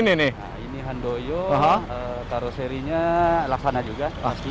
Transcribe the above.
ini handoyo karuserinya laksana juga